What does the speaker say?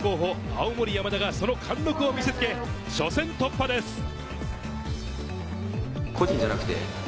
・青森山田がその貫禄を見せつけ、初戦突破です。